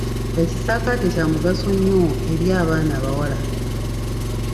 Ekisaakaate kya mugaso nnyo eri abaana abawala.